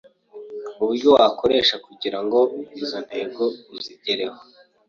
uburyo wakoresha kugirango izo ntego uzigereho